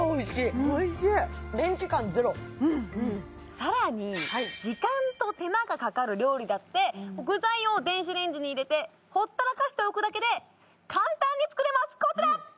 さらに時間と手間がかかる料理だって具材を電子レンジに入れてほったらかしておくだけで簡単に作れますこちら！